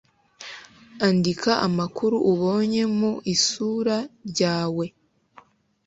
andika amakuru ubonye mu isura ryawe